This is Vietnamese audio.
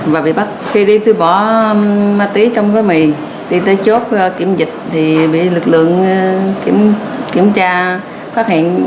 và bị bắt khi đi tôi bỏ ma túy trong cái mì đi tới chốt kiểm dịch thì bị lực lượng kiểm tra phát hiện